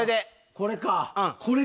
これか。